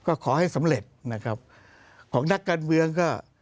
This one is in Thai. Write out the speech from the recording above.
ก็ขอให้สำเร็จนะครับของนักการเมืองก็